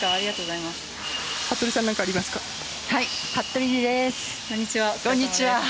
こんにちは。